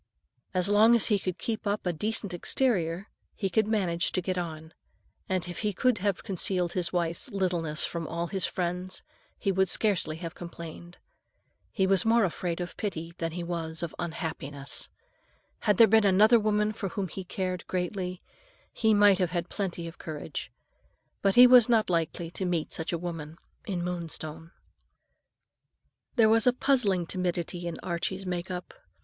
As long as he could keep up a decent exterior, he could manage to get on; and if he could have concealed his wife's littleness from all his friends, he would scarcely have complained. He was more afraid of pity than he was of any unhappiness. Had there been another woman for whom he cared greatly, he might have had plenty of courage; but he was not likely to meet such a woman in Moonstone. There was a puzzling timidity in Archie's make up.